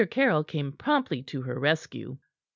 Caryll came promptly to her rescue.